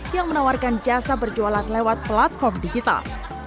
yang menawarkan jasa berjualan lewat platform digital